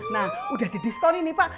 nah udah didiskoni nih pak